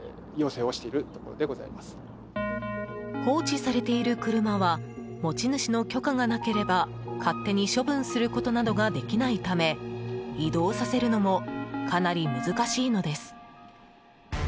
放置されている車は持ち主の許可がなければ勝手に処分することなどができないため移動させるのもかなり難しいのです。